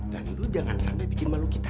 dan lo jangan sampai bikin malu kita